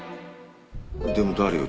でも誰よ？